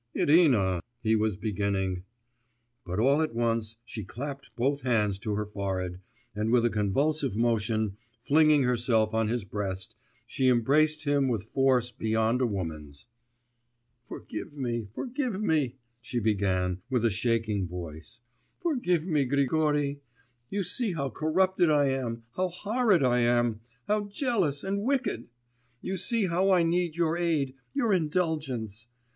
'Irina,' he was beginning But all at once she clapped both hands to her forehead, and with a convulsive motion, flinging herself on his breast, she embraced him with force beyond a woman's. 'Forgive me, forgive me,' she began, with a shaking voice, 'forgive me, Grigory! You see how corrupted I am, how horrid I am, how jealous and wicked! You see how I need your aid, your indulgence!